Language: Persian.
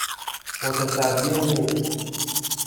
متصدی نور